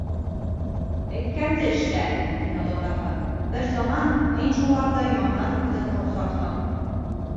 «Әйткәнде эшлә, - тине олатаһы, - бер заман һин шуларҙы яңынан үҙең ҡорасаҡһың».